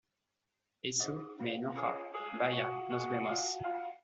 eso me enoja... ¡ vaya, nos vemos! ...